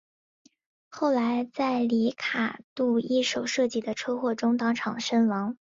后来在里卡度一手设计的车祸中当场身亡。